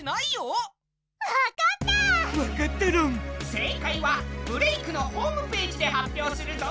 正解は「ブレイクッ！」のホームページで発表するぞ。